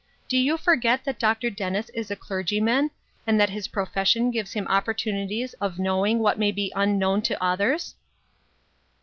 Do you forget that Dr. Dennis is a cler gyman, and that his profession gives him oppor tunities of knowing what may be unknown to others